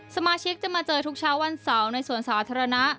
สมาชิกจะมาเจอทุกเช้าวันเสาร์ในสวนสาธารณะ